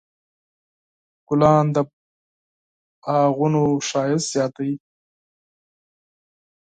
ګلان د باغونو ښایست زیاتوي.